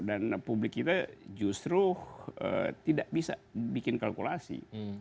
dan publik kita justru tidak bisa bikin kalkulasi